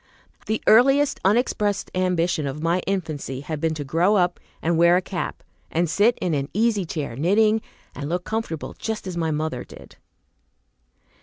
The earliest unexpressed ambition of my infancy had been to grow up and wear a cap, and sit in an easy chair knitting and look comfortable just as my mother did.